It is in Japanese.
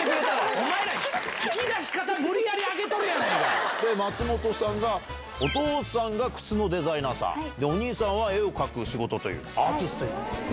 お前ら、引き出し方、松本さんが、お父さんが靴のデザイナーさん、お兄さんは絵を描く仕事という、アーティスト一家。